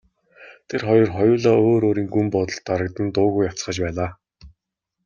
Тэр хоёр хоёулаа өөр өөрийн гүн бодолд дарагдан дуугүй явцгааж байлаа.